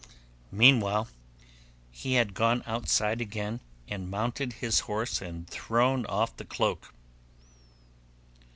Meanwhile he had gone outside again and mounted his horse and thrown off the cloak.